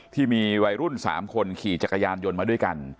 ที่มีวัยรุ่น๓คนขี่จักรยานยนต์มาด้วยกัน